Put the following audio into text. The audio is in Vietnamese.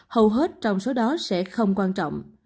hầu hết trong số đó sẽ không quan trọng